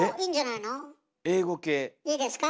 いいですか？